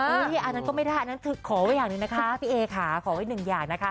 อันนั้นก็ไม่ได้ขอไว้อย่างนึงนะคะพี่เอ๊ค่ะขอไว้หนึ่งอย่างนะคะ